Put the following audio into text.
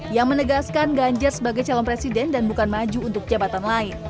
yang menegaskan ganjar sebagai calon presiden dan bukan maju untuk jabatan lain